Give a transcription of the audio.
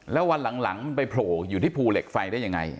แล้ววันหลังมันไปโผล่อยู่ที่ภูเหล็กไฟได้ยังไง